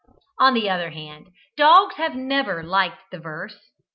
On the other hand, dogs have never liked the verse.